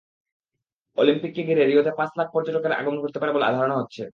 অলিম্পিককে ঘিরে রিওতে পাঁচ লাখ পর্যটকের আগমন ঘটতে পারে বলে ধারণা করা হচ্ছে।